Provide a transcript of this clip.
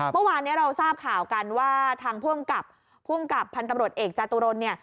เมื่อวานเนี่ยเราทราบข่าวกันว่าทางภูมิกับภูมิกับพกเอกจตุรนต์เนี่ย